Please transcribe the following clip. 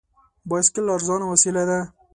بایسکل ارزانه وسیله ده.